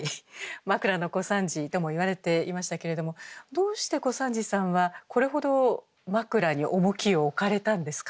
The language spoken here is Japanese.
まくらの小三治ともいわれていましたけれどもどうして小三治さんはこれほど枕に重きを置かれたんですか？